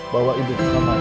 bawa ibu ke kamar